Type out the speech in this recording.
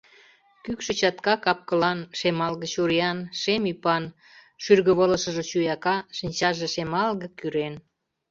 Кӱкшӧ чатка кап-кылан, шемалге чуриян, шем ӱпан, шӱргывылышыже чуяка, шинчаже шемалге-кӱрен.